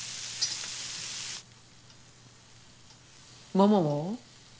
ママは？